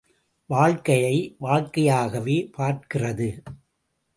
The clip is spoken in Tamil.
வாழ்க்கையை வாழ்க்கையாகவே பார்க்கிறது.